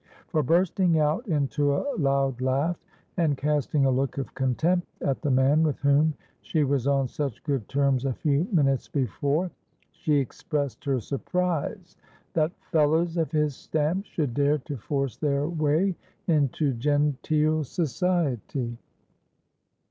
For, bursting out into a loud laugh, and casting a look of contempt at the man with whom she was on such good terms a few minutes before, she expressed her surprise that 'fellows of his stamp should dare to force their way into genteel society!'